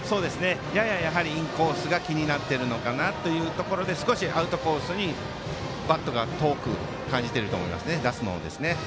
ややインコースが気になっているのかなというところで少しアウトコースにバットが遠く感じていると思います。